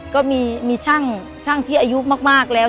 ก็มีช่างที่อายุมากแล้ว